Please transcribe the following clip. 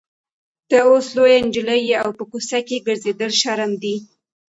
ته اوس لویه نجلۍ یې او په کوڅه کې ګرځېدل شرم دی.